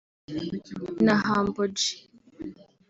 na Humble G